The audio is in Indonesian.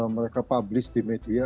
mereka publish di media